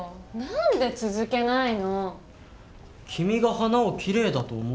何で続けないの。